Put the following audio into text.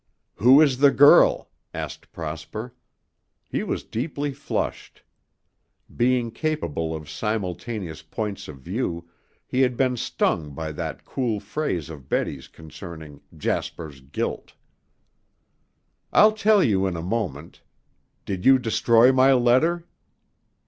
"Who is the girl?" asked Prosper. He was deeply flushed. Being capable of simultaneous points of view, he had been stung by that cool phrase of Betty's concerning "Jasper's guilt." "I'll tell you in a moment. Did you destroy my letter?"